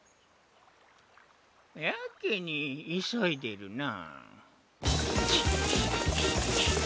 やけにいそいでるな。